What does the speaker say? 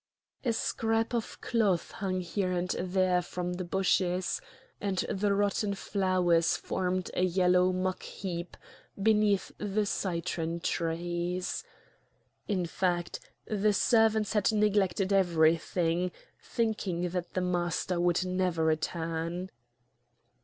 A scrap of cloth hung here and there from the bushes, and the rotten flowers formed a yellow muck heap beneath the citron trees. In fact, the servants had neglected everything, thinking that the master would never return.